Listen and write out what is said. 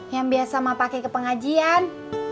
yang biasa mak pakai ke pengajian